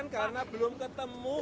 karena belum ketemu